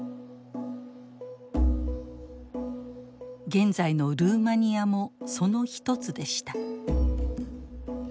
現在のルーマニアもその一つでした。